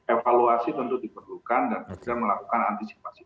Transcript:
evaluasi tentu diperlukan dan kita melakukan antisipasi